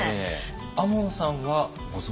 亞門さんはご存じでしたか？